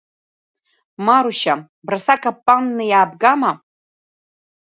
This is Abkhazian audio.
Марушьа, браса капанны иаабгама?